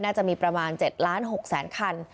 น่าจะมีประมาณ๗๖๐๐๐๐๐คัน